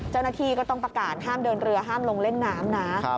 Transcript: เจ้าหน้าที่ก็ต้องประกาศห้ามเดินเรือห้ามลงเล่นน้ำนะ